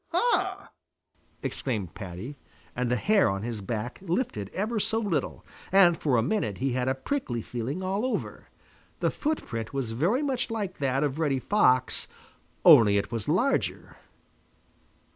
"Ha!" exclaimed Paddy, and the hair on his back lifted ever so little, and for a minute he had a prickly feeling all over. The footprint was very much like that of Reddy Fox, only it was larger.